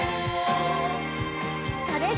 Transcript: それじゃあ。